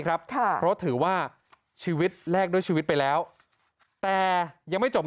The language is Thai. ครับค่ะเพราะถือว่าชีวิตแลกด้วยชีวิตไปแล้วแต่ยังไม่จบ